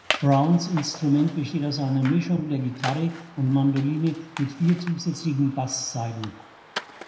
Brownes Instrument besteht aus einer Mischung der Gitarre und Mandoline mit vier zusätzlichen Basssaiten.